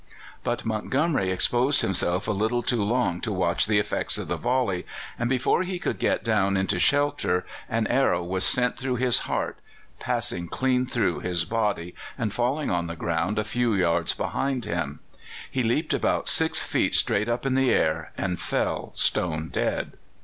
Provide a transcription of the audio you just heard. But Montgomery exposed himself a little too long to watch the effects of the volley, and before he could get down into shelter an arrow was sent through his heart, passing clean through his body, and falling on the ground a few yards behind him. He leaped about 6 feet straight up in the air and fell stone dead.